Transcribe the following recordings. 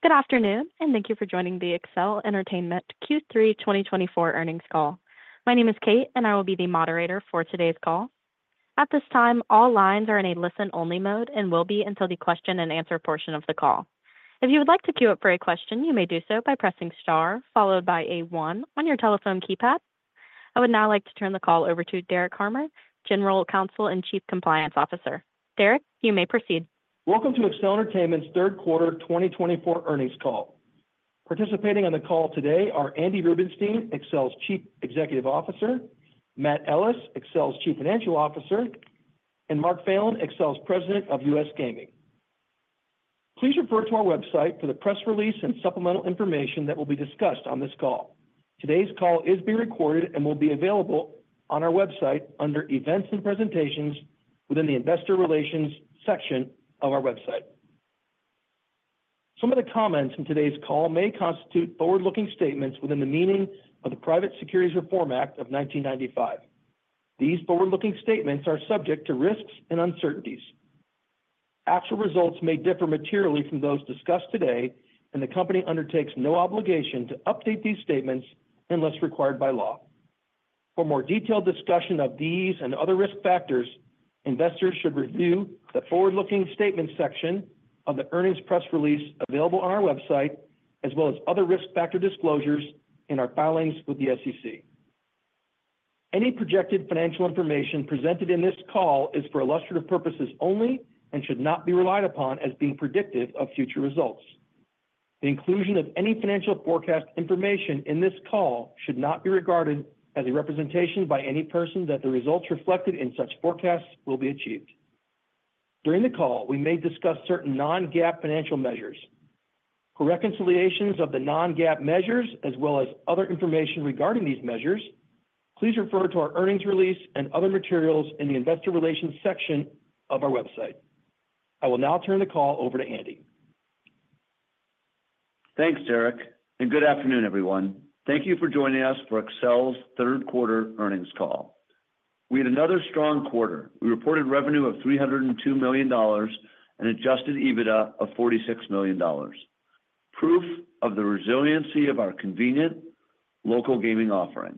Good afternoon, and thank you for joining the Accel Entertainment Q3 2024 Earnings Call. My name is Kate, and I will be the moderator for today's call. At this time, all lines are in a listen-only mode and will be until the Q&A portion of the call. If you would like to queue up for a question, you may do so by pressing star followed by a one on your telephone keypad. I would now like to turn the call over to Derek Harmer, General Counsel and Chief Compliance Officer. Derek, you may proceed. Welcome to Accel Entertainment's third quarter 2024 earnings call. Participating on the call today are Andy Rubenstein, Accel's Chief Executive Officer, Matt Ellis, Accel's Chief Financial Officer, and Mark Phelan, Accel's President of US Gaming. Please refer to our website for the press release and supplemental information that will be discussed on this call. Today's call is being recorded and will be available on our website under Events and Presentations within the Investor Relations section of our website. Some of the comments in today's call may constitute forward-looking statements within the meaning of the Private Securities Litigation Reform Act of 1995. These forward-looking statements are subject to risks and uncertainties. Actual results may differ materially from those discussed today, and the company undertakes no obligation to update these statements unless required by law. For more detailed discussion of these and other risk factors, investors should review the forward-looking statements section of the earnings press release available on our website, as well as other risk factor disclosures in our filings with the SEC. Any projected financial information presented in this call is for illustrative purposes only and should not be relied upon as being predictive of future results. The inclusion of any financial forecast information in this call should not be regarded as a representation by any person that the results reflected in such forecasts will be achieved. During the call, we may discuss certain Non-GAAP financial measures. For reconciliations of the Non-GAAP measures, as well as other information regarding these measures, please refer to our earnings release and other materials in the Investor Relations section of our website. I will now turn the call over to Andy. Thanks, Derek, and good afternoon, everyone. Thank you for joining us for Accel's third quarter earnings call. We had another strong quarter. We reported revenue of $302 million and Adjusted EBITDA of $46 million. Proof of the resiliency of our convenient local gaming offering.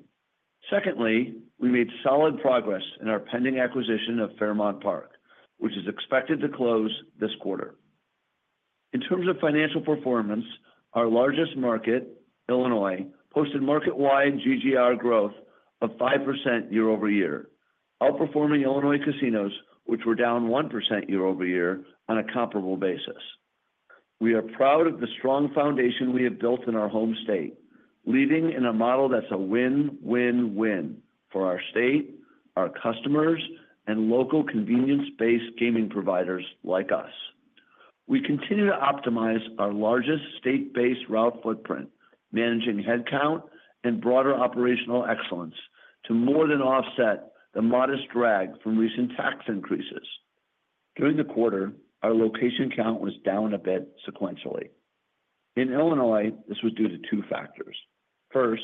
Secondly, we made solid progress in our pending acquisition of Fairmount Park, which is expected to close this quarter. In terms of financial performance, our largest market, Illinois, posted market-wide GGR growth of 5% year-over-year, outperforming Illinois casinos, which were down 1% year-over-year on a comparable basis. We are proud of the strong foundation we have built in our home state, leading in a model that's a win-win-win for our state, our customers, and local convenience-based gaming providers like us. We continue to optimize our largest state-based route footprint, managing headcount and broader operational excellence to more than offset the modest drag from recent tax increases. During the quarter, our location count was down a bit sequentially. In Illinois, this was due to two factors. First,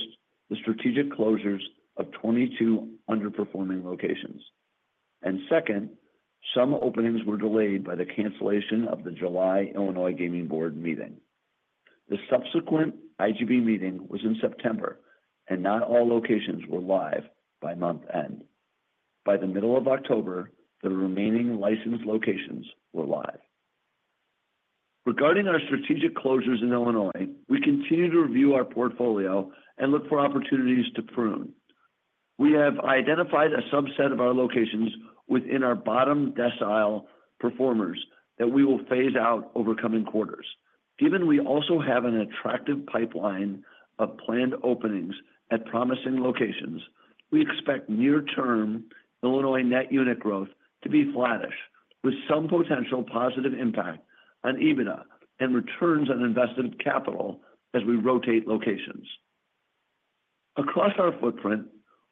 the strategic closures of 22 underperforming locations. And second, some openings were delayed by the cancellation of the July Illinois Gaming Board meeting. The subsequent IGB meeting was in September, and not all locations were live by month-end. By the middle of October, the remaining licensed locations were live. Regarding our strategic closures in Illinois, we continue to review our portfolio and look for opportunities to prune. We have identified a subset of our locations within our bottom decile performers that we will phase out over coming quarters. Given we also have an attractive pipeline of planned openings at promising locations, we expect near-term Illinois net unit growth to be flattish, with some potential positive impact on EBITDA and returns on invested capital as we rotate locations. Across our footprint,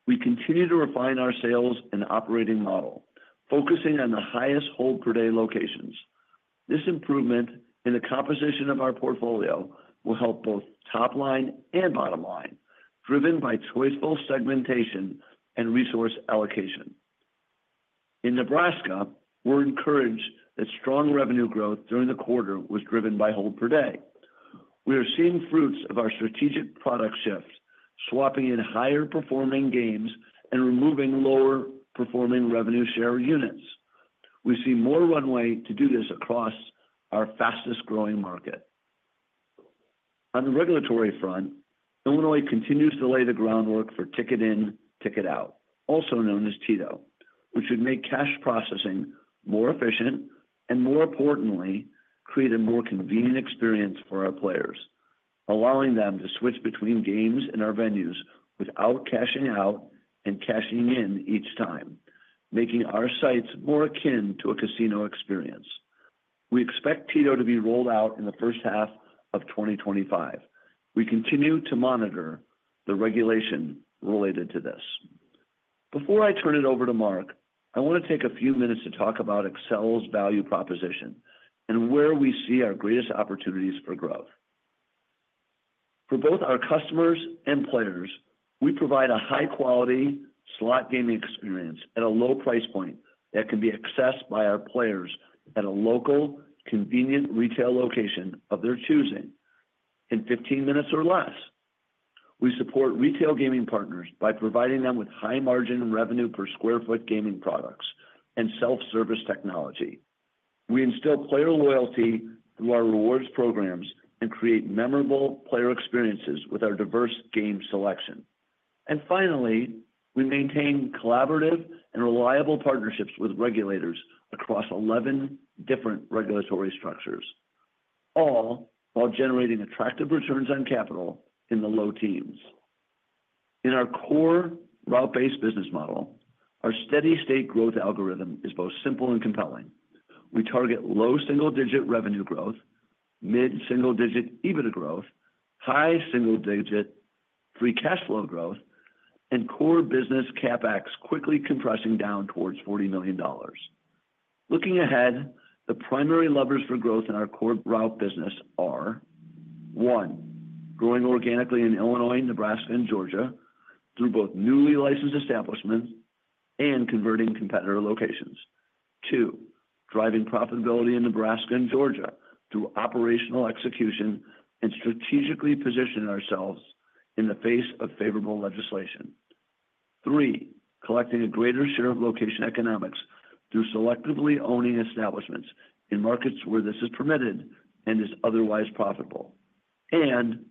we continue to refine our sales and operating model, focusing on the highest hold-per-day locations. This improvement in the composition of our portfolio will help both top line and bottom line, driven by choiceful segmentation and resource allocation. In Nebraska, we're encouraged that strong revenue growth during the quarter was driven by hold-per-day. We are seeing fruits of our strategic product shift, swapping in higher-performing games and removing lower-performing revenue share units. We see more runway to do this across our fastest-growing market. On the regulatory front, Illinois continues to lay the groundwork for ticket-in, ticket-out, also known as TITO, which would make cash processing more efficient and, more importantly, create a more convenient experience for our players, allowing them to switch between games and our venues without cashing out and cashing in each time, making our sites more akin to a casino experience. We expect TITO to be rolled out in the first half of 2025. We continue to monitor the regulation related to this. Before I turn it over to Mark, I want to take a few minutes to talk about Accel's value proposition and where we see our greatest opportunities for growth. For both our customers and players, we provide a high-quality slot gaming experience at a low price point that can be accessed by our players at a local, convenient retail location of their choosing in 15 minutes or less. We support retail gaming partners by providing them with high-margin revenue per sq ft gaming products and self-service technology. We instill player loyalty through our rewards programs and create memorable player experiences with our diverse game selection. And finally, we maintain collaborative and reliable partnerships with regulators across 11 different regulatory structures, all while generating attractive returns on capital in the low teens. In our core route-based business model, our steady-state growth algorithm is both simple and compelling. We target low single-digit revenue growth, mid-single-digit EBITDA growth, high single-digit free cash flow growth, and core business CapEx quickly compressing down towards $40 million. Looking ahead, the primary levers for growth in our core route business are: one, growing organically in Illinois, Nebraska, and Georgia through both newly licensed establishments and converting competitor locations. Two, driving profitability in Nebraska and Georgia through operational execution and strategically positioning ourselves in the face of favorable legislation. Three, collecting a greater share of location economics through selectively owning establishments in markets where this is permitted and is otherwise profitable. And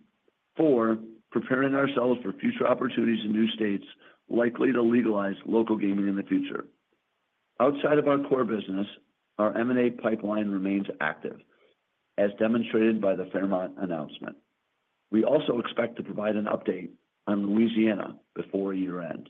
four, preparing ourselves for future opportunities in new states likely to legalize local gaming in the future. Outside of our core business, our M&A pipeline remains active, as demonstrated by the Fairmount announcement. We also expect to provide an update on Louisiana before year-end.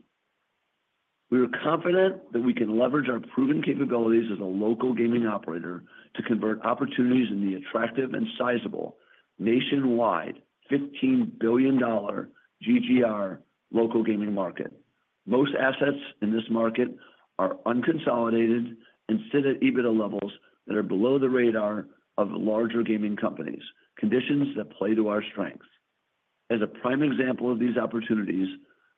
We are confident that we can leverage our proven capabilities as a local gaming operator to convert opportunities in the attractive and sizable nationwide $15 billion GGR local gaming market. Most assets in this market are unconsolidated and sit at EBITDA levels that are below the radar of larger gaming companies, conditions that play to our strength. As a prime example of these opportunities,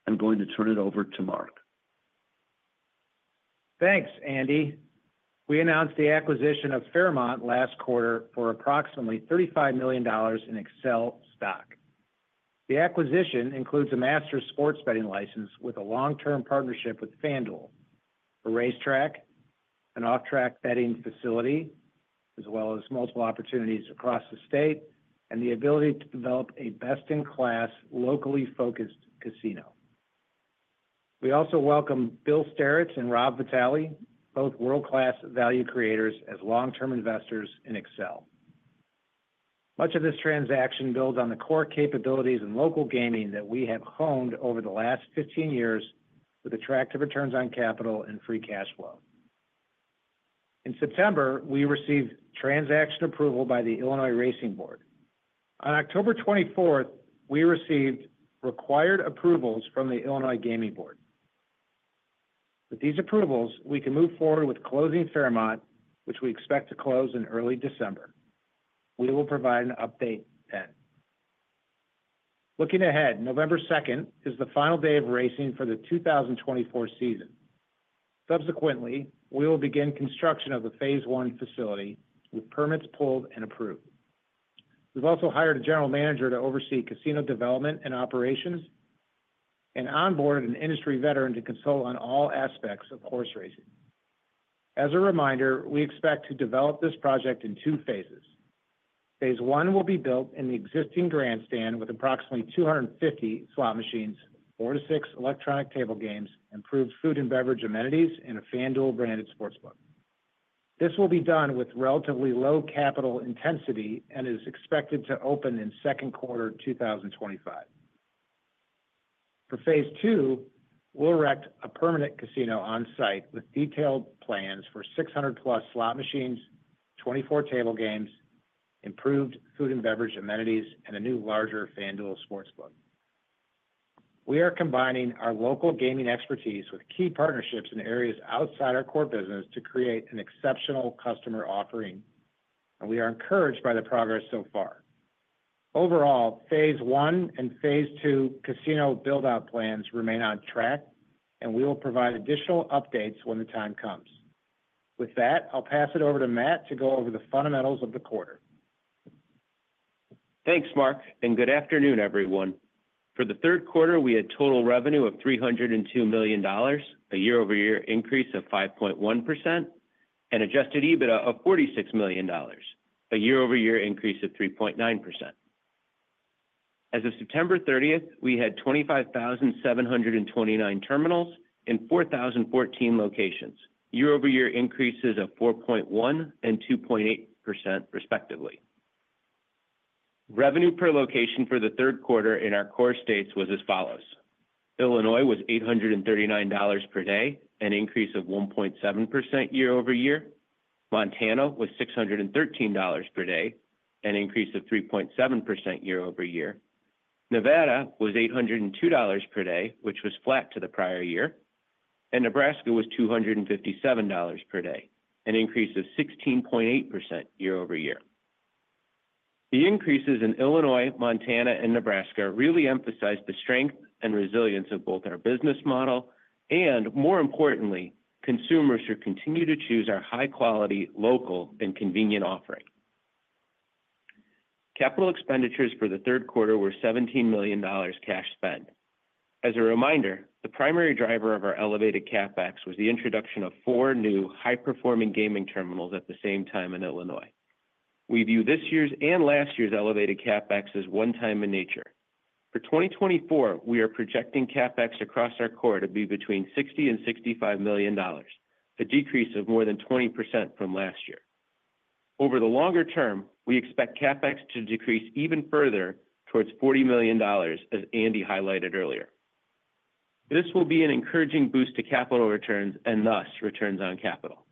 I'm going to turn it over to Mark. Thanks, Andy. We announced the acquisition of Fairmount last quarter for approximately $35 million in Accel stock. The acquisition includes a master sports betting license with a long-term partnership with FanDuel, a racetrack, an off-track betting facility, as well as multiple opportunities across the state, and the ability to develop a best-in-class, locally focused casino. We also welcome Bill Stiritz and Rob Vitale, both world-class value creators as long-term investors in Accel. Much of this transaction builds on the core capabilities in local gaming that we have honed over the last 15 years with attractive returns on capital and free cash flow. In September, we received transaction approval by the Illinois Racing Board. On October 24th, we received required approvals from the Illinois Gaming Board. With these approvals, we can move forward with closing Fairmount, which we expect to close in early December. We will provide an update then. Looking ahead, November 2nd is the final day of racing for the 2024 season. Subsequently, we will begin construction of the phase I facility with permits pulled and approved. We've also hired a general manager to oversee casino development and operations and onboarded an industry veteran to consult on all aspects of horse racing. As a reminder, we expect to develop this project in two phases. phase I will be built in the existing grandstand with approximately 250 slot machines, four to six electronic table games, improved food and beverage amenities, and a FanDuel branded sports club. This will be done with relatively low capital intensity and is expected to open in second quarter 2025. For phase II, we'll erect a permanent casino on site with detailed plans for 600-plus slot machines, 24 table games, improved food and beverage amenities, and a new larger FanDuel sports club. We are combining our local gaming expertise with key partnerships in areas outside our core business to create an exceptional customer offering, and we are encouraged by the progress so far. Overall, phase I and phase II casino build-out plans remain on track, and we will provide additional updates when the time comes. With that, I'll pass it over to Matt to go over the fundamentals of the quarter. Thanks, Mark, and good afternoon, everyone. For the third quarter, we had total revenue of $302 million, a year-over-year increase of 5.1%, and adjusted EBITDA of $46 million, a year-over-year increase of 3.9%. As of September 30th, we had 25,729 terminals in 4,014 locations, year-over-year increases of 4.1% and 2.8%, respectively. Revenue per location for the third quarter in our core states was as follows: Illinois was $839 per day, an increase of 1.7% year-over-year. Montana was $613 per day, an increase of 3.7% year-over-year. Nevada was $802 per day, which was flat to the prior year. And Nebraska was $257 per day, an increase of 16.8% year-over-year. The increases in Illinois, Montana, and Nebraska really emphasized the strength and resilience of both our business model and, more importantly, consumers who continue to choose our high-quality, local, and convenient offering. Capital expenditures for the third quarter were $17 million cash spent. As a reminder, the primary driver of our elevated CapEx was the introduction of four new high-performing gaming terminals at the same time in Illinois. We view this year's and last year's elevated CapEx as one-time in nature. For 2024, we are projecting CapEx across our quarter to be between $60 and $65 million, a decrease of more than 20% from last year. Over the longer term, we expect CapEx to decrease even further towards $40 million, as Andy highlighted earlier. This will be an encouraging boost to capital returns and thus returns on capital.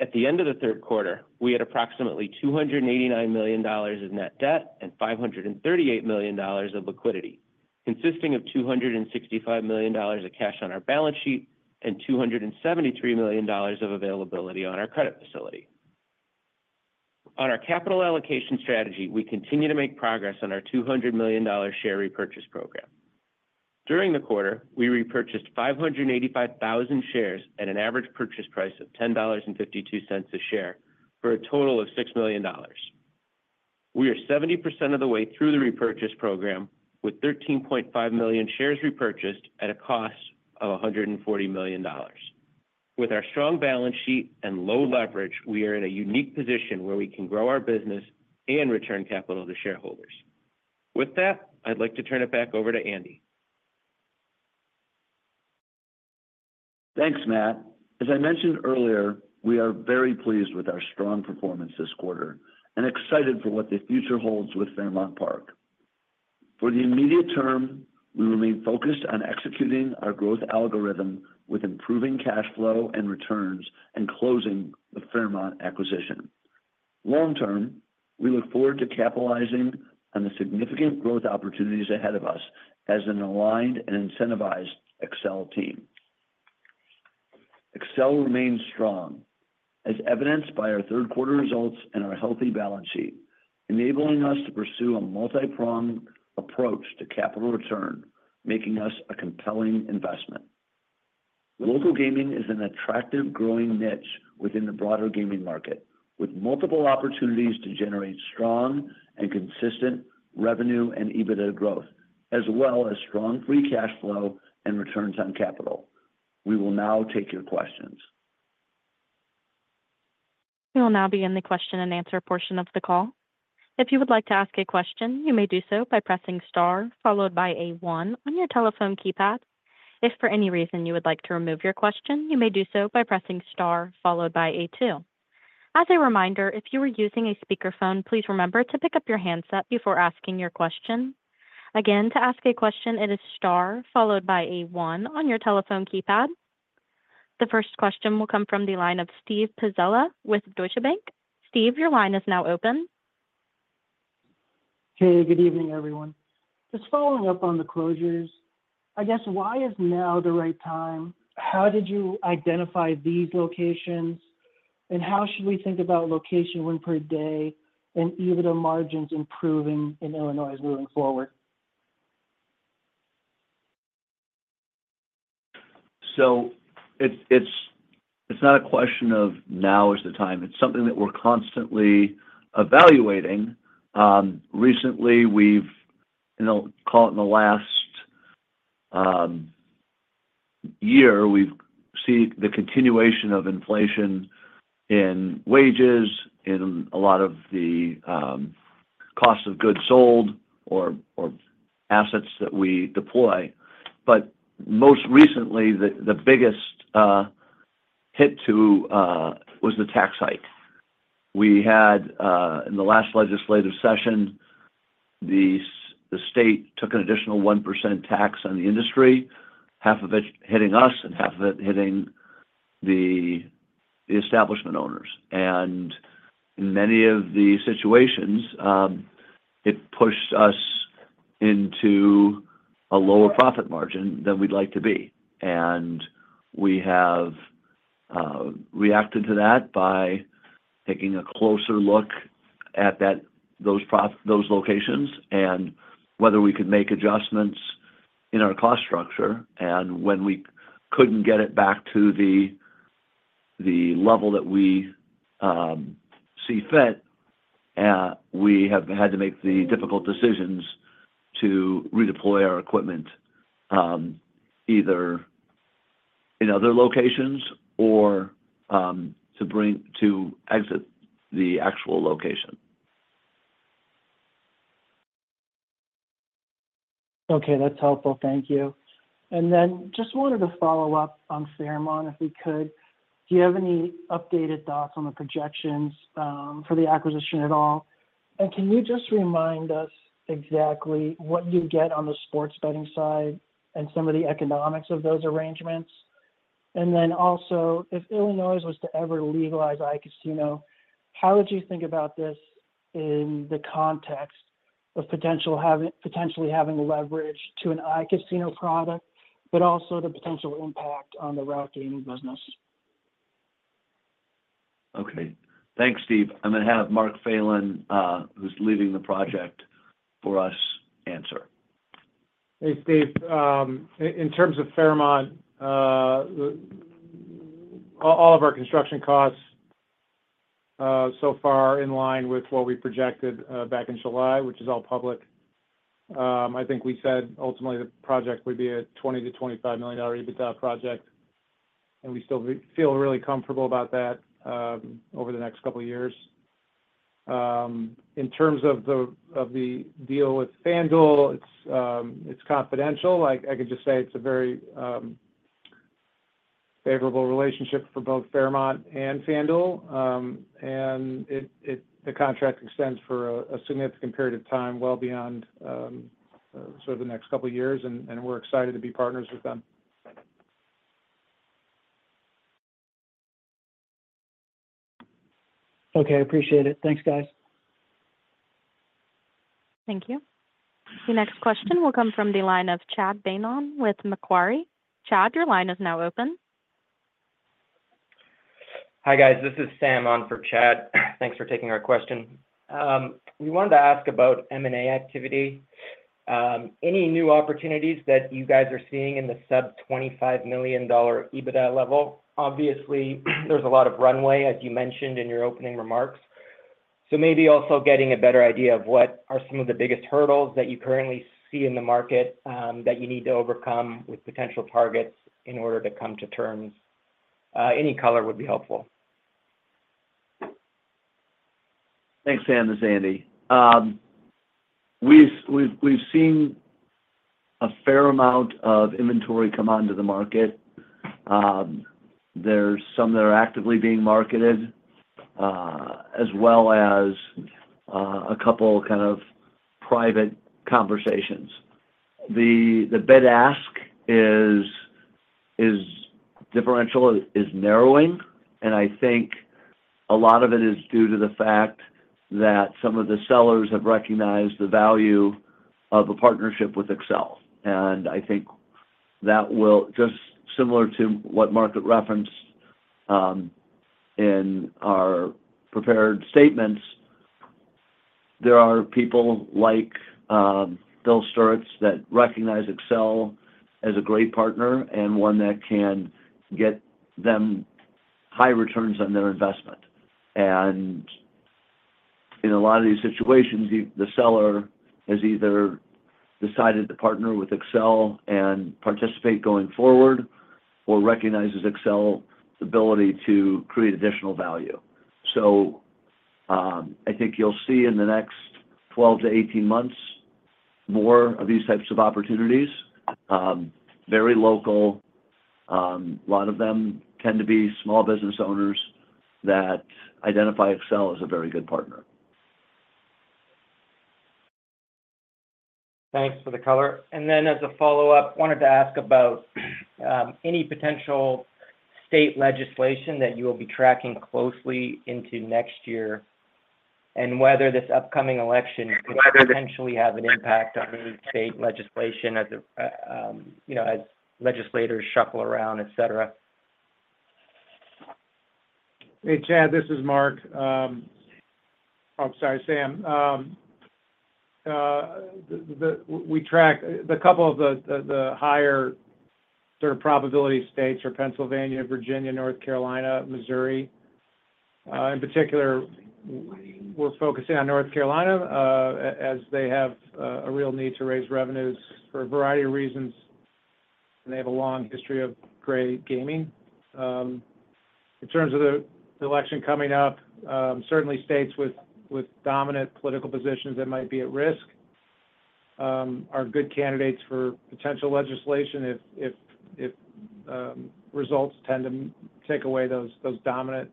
At the end of the third quarter, we had approximately $289 million in net debt and $538 million of liquidity, consisting of $265 million of cash on our balance sheet and $273 million of availability on our credit facility. On our capital allocation strategy, we continue to make progress on our $200 million share repurchase program. During the quarter, we repurchased 585,000 shares at an average purchase price of $10.52 a share for a total of $6 million. We are 70% of the way through the repurchase program with 13.5 million shares repurchased at a cost of $140 million. With our strong balance sheet and low leverage, we are in a unique position where we can grow our business and return capital to shareholders. With that, I'd like to turn it back over to Andy. Thanks, Matt. As I mentioned earlier, we are very pleased with our strong performance this quarter and excited for what the future holds with Fairmount Park. For the immediate term, we remain focused on executing our growth algorithm with improving cash flow and returns and closing the Fairmount acquisition. Long-term, we look forward to capitalizing on the significant growth opportunities ahead of us as an aligned and incentivized Accel team. Accel remains strong, as evidenced by our third-quarter results and our healthy balance sheet, enabling us to pursue a multi-pronged approach to capital return, making us a compelling investment. Local gaming is an attractive growing niche within the broader gaming market, with multiple opportunities to generate strong and consistent revenue and EBITDA growth, as well as strong free cash flow and returns on capital. We will now take your questions. We will now begin the Q&A portion of the call. If you would like to ask a question, you may do so by pressing star followed by a one on your telephone keypad. If for any reason you would like to remove your question, you may do so by pressing star followed by a two. As a reminder, if you are using a speakerphone, please remember to pick up your handset before asking your question. Again, to ask a question, it is star followed by a one on your telephone keypad. The first question will come from the line of Steve Pizzella with Deutsche Bank. Steve, your line is now open. Hey, good evening, everyone. Just following up on the closures, I guess. Why is now the right time? How did you identify these locations? And how should we think about location win per day and EBITDA margins improving in Illinois moving forward? It's not a question of now is the time. It's something that we're constantly evaluating. Recently, we've, and I'll call it in the last year, we've seen the continuation of inflation in wages, in a lot of the cost of goods sold or assets that we deploy. But most recently, the biggest hit was the tax hike. We had, in the last legislative session, the state took an additional 1% tax on the industry, half of it hitting us and half of it hitting the establishment owners. And in many of the situations, it pushed us into a lower profit margin than we'd like to be. And we have reacted to that by taking a closer look at those locations and whether we could make adjustments in our cost structure. When we couldn't get it back to the level that we see fit, we have had to make the difficult decisions to redeploy our equipment either in other locations or to exit the actual location. Okay, that's helpful. Thank you. And then just wanted to follow up on Fairmount, if we could. Do you have any updated thoughts on the projections for the acquisition at all? And can you just remind us exactly what you get on the sports betting side and some of the economics of those arrangements? And then also, if Illinois was to ever legalize iCasino, how would you think about this in the context of potentially having leverage to an iCasino product, but also the potential impact on the route gaming business? Okay. Thanks, Steve. I'm going to have Mark Phelan, who's leading the project for us, answer. Hey, Steve. In terms of Fairmount, all of our construction costs so far are in line with what we projected back in July, which is all public. I think we said ultimately the project would be a $20 million-$25 million EBITDA project, and we still feel really comfortable about that over the next couple of years. In terms of the deal with FanDuel, it's confidential. I can just say it's a very favorable relationship for both Fairmount and FanDuel, and the contract extends for a significant period of time, well beyond sort of the next couple of years, and we're excited to be partners with them. Okay, appreciate it. Thanks, guys. Thank you. The next question will come from the line of Chad Beynon with Macquarie. Chad, your line is now open. Hi, guys. This is Sam on for Chad. Thanks for taking our question. We wanted to ask about M&A activity. Any new opportunities that you guys are seeing in the sub-$25 million EBITDA level? Obviously, there's a lot of runway, as you mentioned in your opening remarks. So maybe also getting a better idea of what are some of the biggest hurdles that you currently see in the market that you need to overcome with potential targets in order to come to terms. Any color would be helpful. Thanks, Sam. This is Andy. We've seen a fair amount of inventory come onto the market. There's some that are actively being marketed, as well as a couple of kind of private conversations. The bid-ask is differential is narrowing, and I think a lot of it is due to the fact that some of the sellers have recognized the value of a partnership with Accel. And I think that will, just similar to what Mark had referenced in our prepared statements, there are people like Bill Stiritz that recognize Accel as a great partner and one that can get them high returns on their investment. And in a lot of these situations, the seller has either decided to partner with Accel and participate going forward or recognizes Accel's ability to create additional value. So I think you'll see in the next 12 to 18 months more of these types of opportunities. Very local. A lot of them tend to be small business owners that identify Accel as a very good partner. Thanks for the color. And then as a follow-up, wanted to ask about any potential state legislation that you will be tracking closely into next year and whether this upcoming election could potentially have an impact on state legislation as legislators shuffle around, etc.? Hey, Chad. This is Mark. Oh, sorry, Sam. We tracked a couple of the higher sort of probability states for Pennsylvania, Virginia, North Carolina, Missouri. In particular, we're focusing on North Carolina as they have a real need to raise revenues for a variety of reasons, and they have a long history of gray gaming. In terms of the election coming up, certainly states with dominant political positions that might be at risk are good candidates for potential legislation if results tend to take away those dominant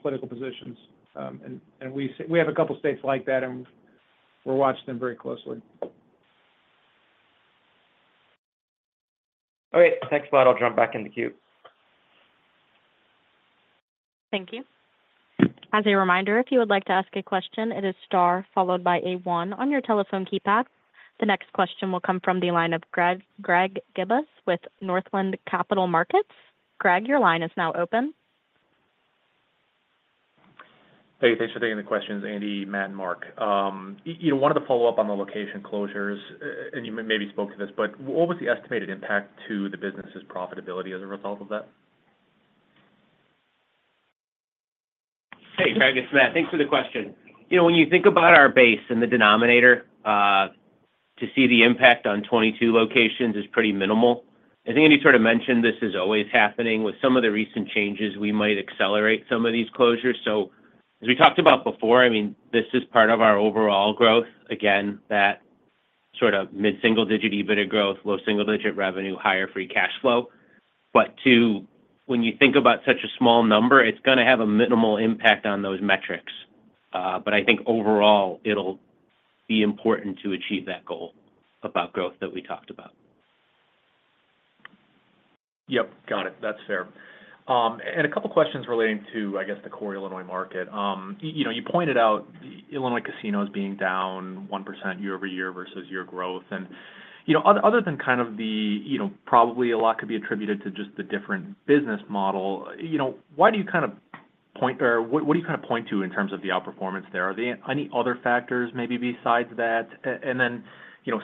political positions. And we have a couple of states like that, and we're watching them very closely. All right. Thanks a lot. I'll jump back in the queue. Thank you. As a reminder, if you would like to ask a question, it is star followed by a one on your telephone keypad. The next question will come from the line of Greg Gibas with Northland Capital Markets. Greg, your line is now open. Hey, thanks for taking the questions, Andy, Matt, and Mark. One of the follow-up on the location closures, and you maybe spoke to this, but what was the estimated impact to the business's profitability as a result of that? Hey, Greg. It's Matt. Thanks for the question. When you think about our base and the denominator, to see the impact on 22 locations is pretty minimal. I think Andy sort of mentioned this is always happening. With some of the recent changes, we might accelerate some of these closures, so as we talked about before, I mean, this is part of our overall growth. Again, that sort of mid-single-digit EBITDA growth, low single-digit revenue, higher free cash flow. But when you think about such a small number, it's going to have a minimal impact on those metrics, but I think overall, it'll be important to achieve that goal about growth that we talked about. Yep. Got it. That's fair. And a couple of questions relating to, I guess, the core Illinois market. You pointed out Illinois casinos being down 1% year-over-year versus year growth. And other than kind of the probably a lot could be attributed to just the different business model, why do you kind of point or what do you kind of point to in terms of the outperformance there? Are there any other factors maybe besides that? And then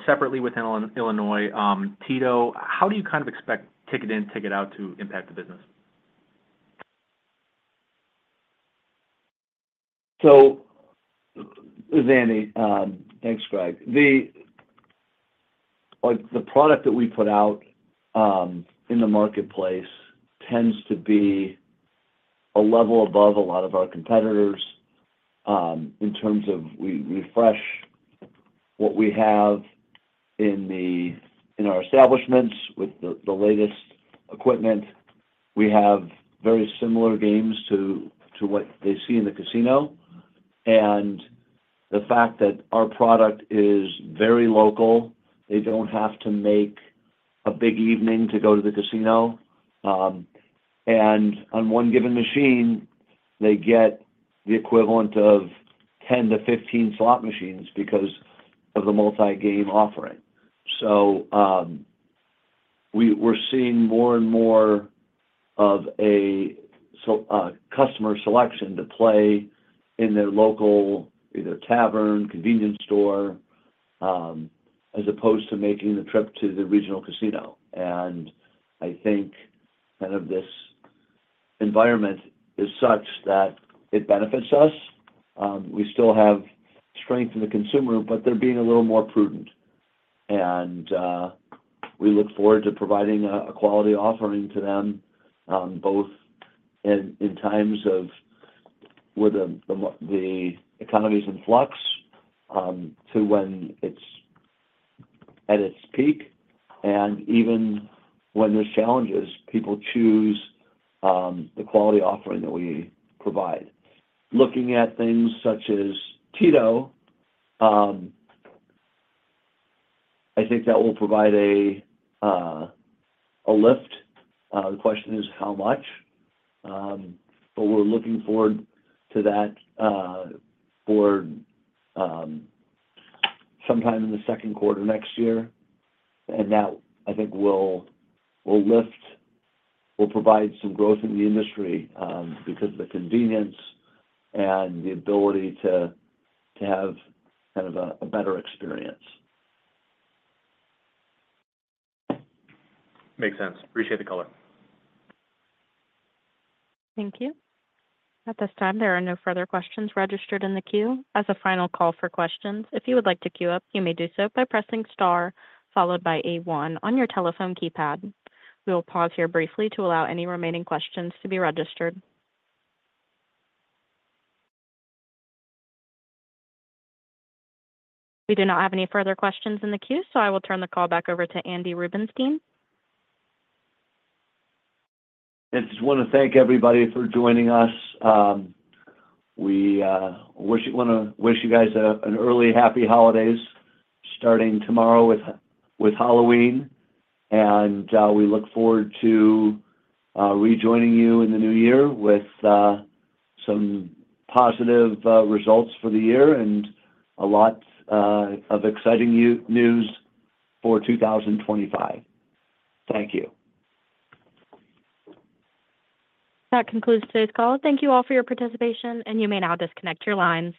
separately within Illinois, TITO, how do you kind of expect ticket in, ticket out to impact the business? So, as Andy, thanks, Greg. The product that we put out in the marketplace tends to be a level above a lot of our competitors in terms of, we refresh what we have in our establishments with the latest equipment. We have very similar games to what they see in the casino, and the fact that our product is very local, they don't have to make a big evening to go to the casino. And on one given machine, they get the equivalent of 10-15 slot machines because of the multi-game offering, so we're seeing more and more of a customer selection to play in their local either tavern, convenience store, as opposed to making the trip to the regional casino, and I think kind of this environment is such that it benefits us. We still have strength in the consumer, but they're being a little more prudent. And we look forward to providing a quality offering to them, both in times of where the economy's in flux to when it's at its peak. And even when there's challenges, people choose the quality offering that we provide. Looking at things such as TITO, I think that will provide a lift. The question is how much, but we're looking forward to that for sometime in the second quarter next year. And that, I think, will lift, will provide some growth in the industry because of the convenience and the ability to have kind of a better experience. Makes sense. Appreciate the color. Thank you. At this time, there are no further questions registered in the queue. As a final call for questions, if you would like to queue up, you may do so by pressing star followed by a one on your telephone keypad. We will pause here briefly to allow any remaining questions to be registered. We do not have any further questions in the queue, so I will turn the call back over to Andy Rubenstein. I just want to thank everybody for joining us. We want to wish you guys an early happy holidays starting tomorrow with Halloween, and we look forward to rejoining you in the new year with some positive results for the year and a lot of exciting news for 2025. Thank you. That concludes today's call. Thank you all for your participation, and you may now disconnect your lines.